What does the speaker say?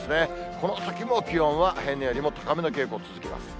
この先も気温は平年よりも高めの傾向続きます。